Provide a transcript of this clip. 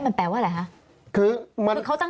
มันแปลว่าอะไรคะ